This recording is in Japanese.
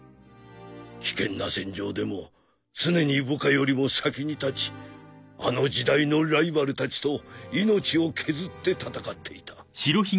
危険な戦場でも常に部下よりも先に立ちあの時代のライバルたちと命を削って戦っていた。